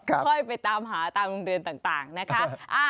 ค่อยไปตามหาตามโรงเรียนต่างนะคะ